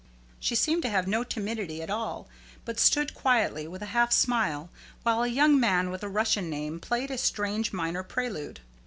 She seemed to have no timidity at all, but stood quietly, with a half smile, while a young man with a Russian name played a strange minor prelude.